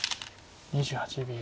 ２８秒。